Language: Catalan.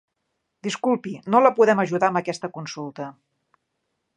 Disculpi, no la podem ajudar amb aquesta consulta.